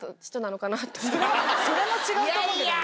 それも違うと思うけど。